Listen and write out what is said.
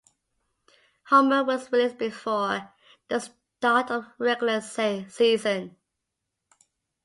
Homer was released before the start of the regular season.